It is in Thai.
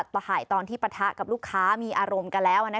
ถ่ายตอนที่ปะทะกับลูกค้ามีอารมณ์กันแล้ว